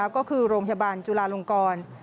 ก็คือโรงพยาบาลจุลาลงกร